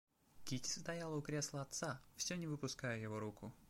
Кити стояла у кресла отца, всё не выпуская его руку.